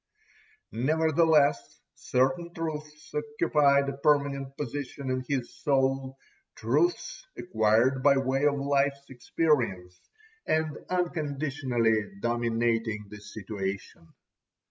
Nevertheless certain truths occupied a permanent position in his soul, truths acquired by way of life's experience, and unconditionally dominating the situation.